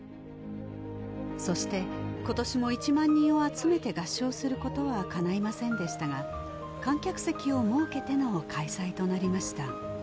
そして今年も１万人を集めて合唱することはかないませんでしたが観客席を設けての開催となりました